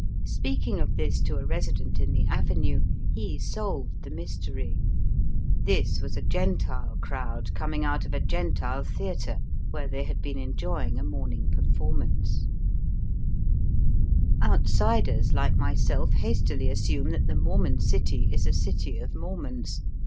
Speaking of this to a resi dent in the Avenue, he solved the mystery This was a Gentile crowd coming out of a Gentile theatre, where they had been enjoying a morning performance. Digitized by VjOOQIC 96 EAST BY WEST. Outsiders, like myself, hastily assume that the Mormon City is a city of Mormons.